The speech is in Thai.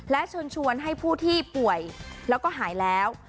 และเชิญชวนให้ผู้ที่ป่วยแล้วก็หายแล้ว